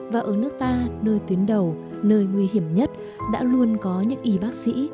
và ở nước ta nơi tuyến đầu nơi nguy hiểm nhất đã luôn có những y bác sĩ